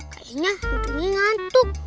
kayaknya hantu ini ngantuk